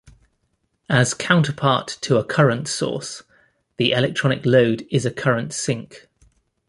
As counterpart to a current source, the electronic load is a current sink.